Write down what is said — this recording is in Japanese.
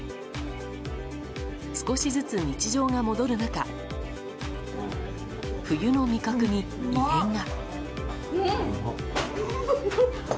少しずつ日常が戻る中冬の味覚に異変が。